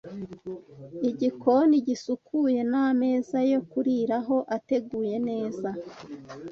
igikoni gisukuye n’ameza yo kuriraho ateguye neza